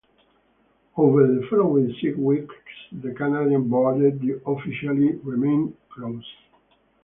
Over the following six weeks, the Canadian border officially remained closed.